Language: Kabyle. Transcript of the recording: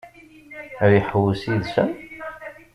Ad iḥewwes yid-sen?